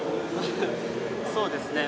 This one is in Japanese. そうですね。